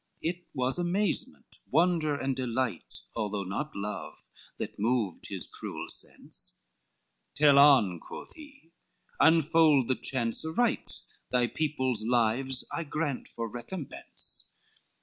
XXI It was amazement, wonder and delight, Although not love, that moved his cruel sense; "Tell on," quoth he, "unfold the chance aright, Thy people's lives I grant for recompense."